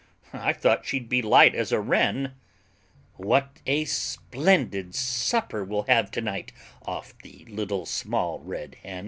I thought she'd be light as a wren; What a splendid supper we'll have to night Off the Little Small Red Hen!"